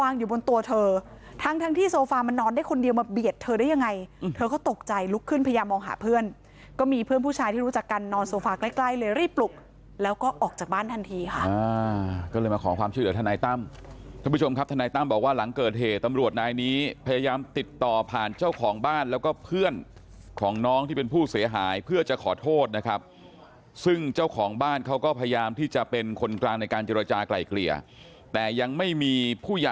นอนโซฟากลายเลยรีบปลุกแล้วก็ออกจากบ้านทันทีค่ะก็เลยมาขอความช่วยด้วยท่านนายตั้มท่านผู้ชมครับท่านนายตั้มบอกว่าหลังเกิดเหตุตำรวจนายนี้พยายามติดต่อผ่านเจ้าของบ้านแล้วก็เพื่อนของน้องที่เป็นผู้เสียหายเพื่อจะขอโทษนะครับซึ่งเจ้าของบ้านเขาก็พยายามที่จะเป็นคนกลางในการเจรจากลายเกลี่ยแต่ยังไม่มีผ